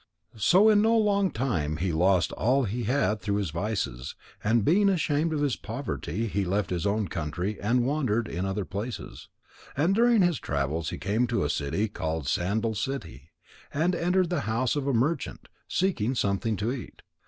So in no long time he lost all he had through his vices, and being ashamed of his poverty, he left his own country and went to wander in other places. And during his travels he came to a city called Sandal City, and entered the house of a merchant, seeking something to eat.